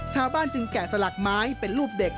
ชาวบ้านจึงแกะสลักไม้เป็นรูปเด็ก